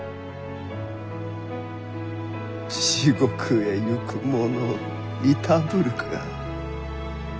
地獄へ逝く者をいたぶるか。